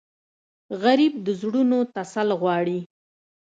غریب د زړونو تسل غواړي